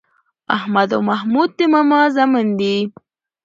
احمد او محمود د ماما زامن دي.